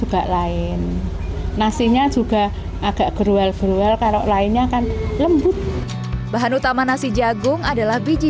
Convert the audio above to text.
juga lain nasinya juga agak geruel geruel kalau lainnya kan lembut bahan utama nasi jagung adalah biji